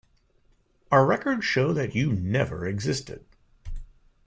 Our records show that you never existed.